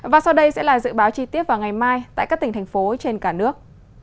và sau đây sẽ là dự báo chi tiết vào ngày mai tại các tỉnh thành phố trên cả nước